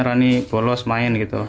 rani bolos main gitu